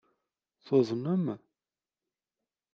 Tuḍnem?